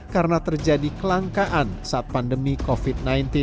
karena terjadi kelangkaan saat pandemi covid sembilan belas